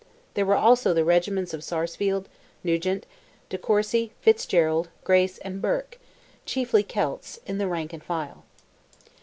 There were also the regiments of Sarsfield, Nugent, De Courcy, Fitzgerald, Grace, and Burke, chiefly Celts, in the rank and file.